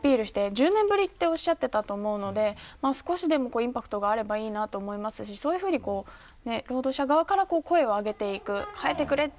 １０年ぶりとおっしゃっていたと思うので少しでもインパクトがあればいいと思いますし労働者側から声を上げていく。